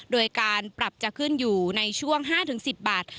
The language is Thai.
โดยการปรับจะขึ้นอยู่ในช่วง๕๑๐บาท